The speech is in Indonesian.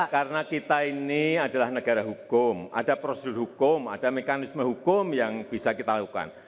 karena kita ini adalah negara hukum ada prosedur hukum ada mekanisme hukum yang bisa kita lakukan